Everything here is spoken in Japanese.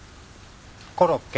コロッケ。